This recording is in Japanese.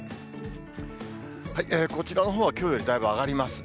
こちらのほうは、きょうよりだいぶ上がりますね。